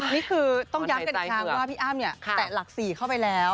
นี่คือต้องย้ำกันทางว่าพี่อ้ามเนี่ยแตะหลักสี่เข้าไปแล้ว